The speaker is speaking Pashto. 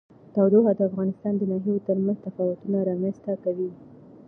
تودوخه د افغانستان د ناحیو ترمنځ تفاوتونه رامنځ ته کوي.